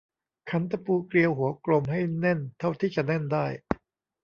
ขันตะปูเกลียวหัวกลมให้แน่นเท่าที่จะแน่นได้